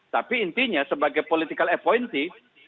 tapi intinya sebagai political appointee